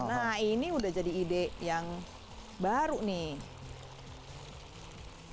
nah ini udah jadi ide yang baru nih